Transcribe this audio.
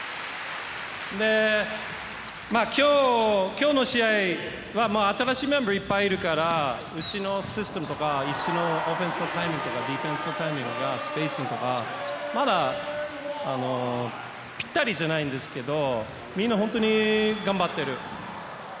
今日の試合は新しいメンバーがいっぱいいるからうちのシステムとかうちのオフェンスのタイミングとかディフェンスのタイミングとかスペースとかまだピッタリじゃないんですけどみんな、本当に頑張ってる。